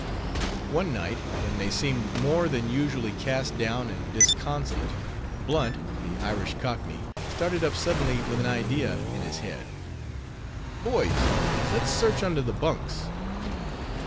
One night, when they seemed more than usually cast down and disconsolate, Blunt, the Irish cockney, started up suddenly with an idea in his head—"Boys, let's search under the bunks!"